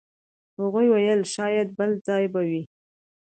هغوی ویل شاید بل ځای به وئ.